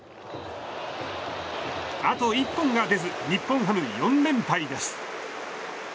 あと１本が出ず日本ハム、４連敗です。